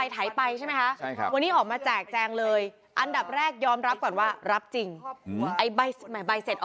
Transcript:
แต่ผมไม่มีเงินถึงร้อยล้านนะครับพี่ชุวิต